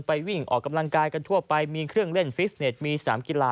วิ่งออกกำลังกายกันทั่วไปมีเครื่องเล่นฟิสเน็ตมีสนามกีฬา